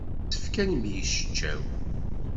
Yessefk ad yemmecčaw.